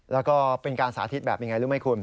แล้วก็เป็นการสาธิตแบบอย่างไรหรือไม่คุณ